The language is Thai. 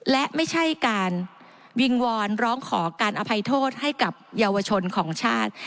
และไม่ใช่การวิงวอนร้องขอการอภัยโทษให้กับเยาวชนของชาติ